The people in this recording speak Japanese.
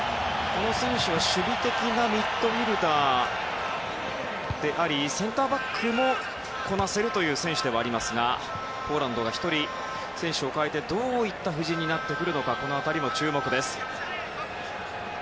この選手は守備的なミッドフィールダーでありセンターバックもこなせるという選手ですがポーランドが１人、選手を代えてどういった布陣になってくるのかこの辺りも注目です。